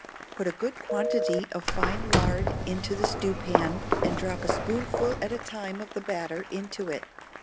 Put a good quantity of fine lard into a stewpan, and drop a spoonful at a time of the batter into it.